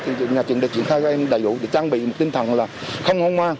thì nhà trường đã triển khai các em đầy đủ để trang bị tinh thần không ngôn ngoan